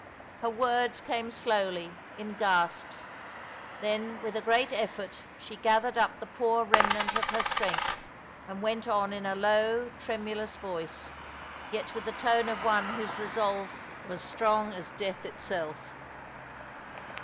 Her words came slowly, in gasps ; then with a great effort she gathered up the poor remnant of her strength, and went on in a low, tremulous voice, yet with the tone of one whose resolve was strong as death itself.